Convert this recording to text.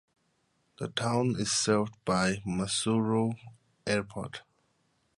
The town is served by Moussoro Airport.